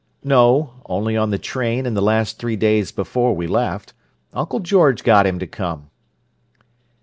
"No; only on the train and the last three days before we left. Uncle George got him to come."